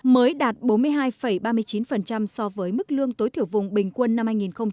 mới đạt bốn mươi hai ba mươi chín so với mức lương tối thiểu vùng bình quân năm hai nghìn một mươi chín